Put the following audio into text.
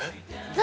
何？